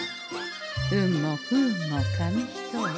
運も不運も紙一重。